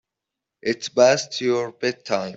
It's past your bedtime.